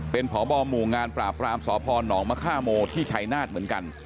เป็นผ่อบอมหมู่งานปราบรามสพห่อนหนองมะค่าโมที่ชายน่าดเหมือนกัน